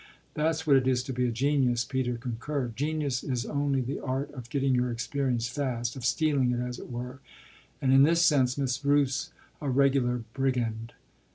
"That's what it is to be a genius," Peter concurred. "Genius is only the art of getting your experience fast, of stealing it, as it were; and in this sense Miss Rooth's a regular brigand."